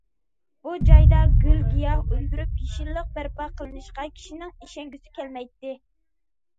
بۇ جايدا گۈل- گىياھ ئۈندۈرۈپ يېشىللىق بەرپا قىلىنىشقا كىشىنىڭ ئىشەنگۈسى كەلمەيتتى.